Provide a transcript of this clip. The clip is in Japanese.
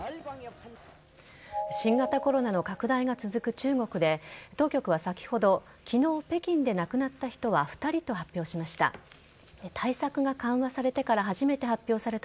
新型コロナの拡大が続く中国で、当局は先ほど、きのう北京で亡くなった人は２人と発表しました。